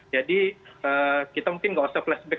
jadi kita mungkin tidak usah flashback